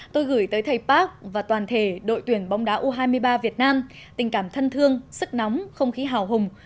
tôi gửi tới thầy park và toàn thể đội tuyển bóng đá u hai mươi ba việt nam tình cảm thân thương sức nóng không khí hào hùng